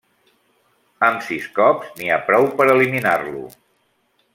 Amb sis cops n'hi ha prou per eliminar-lo.